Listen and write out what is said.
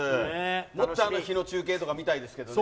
もっとあの火の中継とか見たいですけどね。